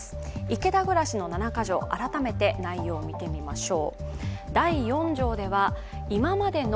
池田町の七か条、改めて内容を見てみましょう。